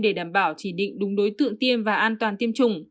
để đảm bảo chỉ định đúng đối tượng tiêm và an toàn tiêm chủng